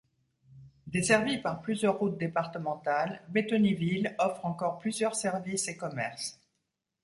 Desservie par plusieurs routes départementales, Bétheniville offre encore plusieurs services et commerces.